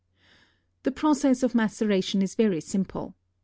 The process of maceration is very simple.